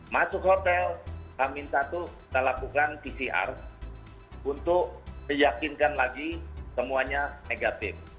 masuk hotel hamin satu kita lakukan pcr untuk meyakinkan lagi semuanya negatif